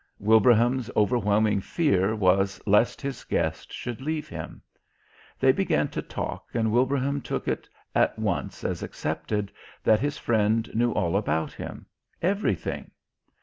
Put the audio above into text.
Wilbraham's overwhelming fear was lest his Guest should leave him. They began to talk and Wilbraham took it at once as accepted that his Friend knew all about him everything.